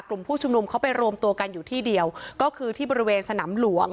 กลุ่มผู้ชุมนุมเขาไปรวมตัวกันอยู่ที่เดียวก็คือที่บริเวณสนามหลวง